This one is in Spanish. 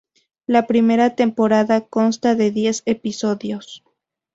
La primera temporada consta de diez episodios.